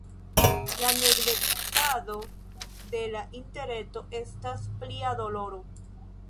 La neglektado de la interreto estas plia doloro.